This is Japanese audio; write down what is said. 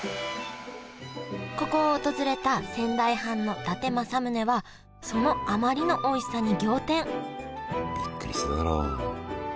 ここを訪れた仙台藩の伊達政宗はそのあまりのおいしさに仰天びっくりしただろう。